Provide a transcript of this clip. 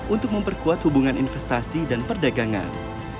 untuk memperkuat hubungan investasi dan perdagangan